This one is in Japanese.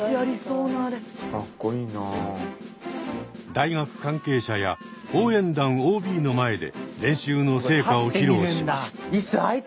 大学関係者や応援団ＯＢの前で練習の成果を披露します。